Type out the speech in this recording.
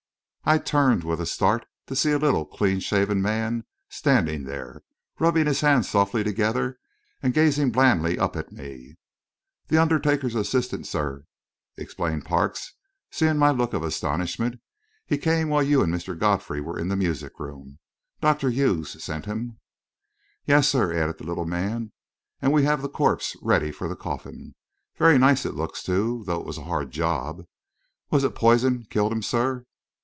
I turned with a start to see a little, clean shaven man standing there, rubbing his hands softly together and gazing blandly up at me. "The undertaker's assistant, sir," explained Parks, seeing my look of astonishment. "He came while you and Mr. Godfrey were in the music room. Dr. Hughes sent him." "Yes, sir," added the little man; "and we have the corpse ready for the coffin. Very nice it looks, too; though it was a hard job. Was it poison killed him, sir?"